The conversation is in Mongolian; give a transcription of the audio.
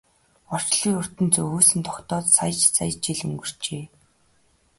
Орчлон ертөнц үүсэн тогтоод сая сая жил өнгөрчээ.